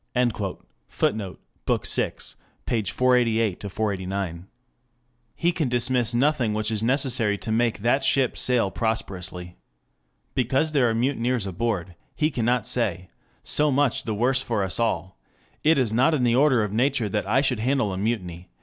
[Footnote: Bk. VI, 488 489.] He can dismiss nothing which is necessary to make that ship sail prosperously. Because there are mutineers aboard, he cannot say: so much the worse for us all... it is not in the order of nature that I should handle a mutiny...